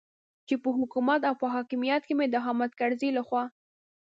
چې په حکومت او په حاکمیت کې مې د حامد کرزي لخوا.